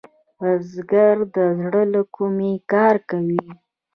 بزګر د زړۀ له کومي کار کوي